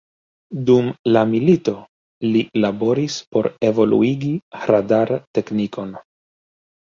Dum la milito, li laboris por evoluigi radar-teknikon.